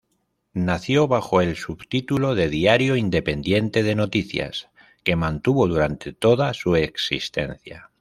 Nació bajo el subtítulo "Diario Independiente de Noticias", que mantuvo durante toda su existencia.